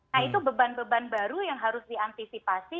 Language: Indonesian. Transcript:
nah itu beban beban baru yang harus diantisipasi